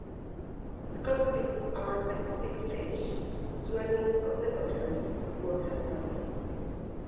Sculpins are benthic fish, dwelling on the bottoms of water bodies.